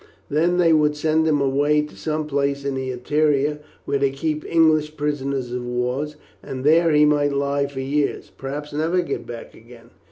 Then they would send him away to some place in the interior where they keep English prisoners of war, and there he might lie for years; perhaps never get back again.